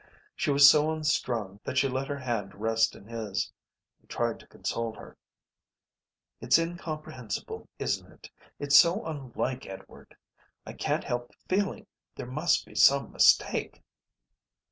She was so unstrung that she let her hand rest in his. He tried to console her. "It's incomprehensible, isn't it? It's so unlike Edward. I can't help feeling there must be some mistake."